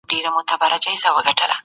هغه سرتیری په مېړانه جنګیدلی دی.